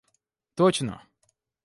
точно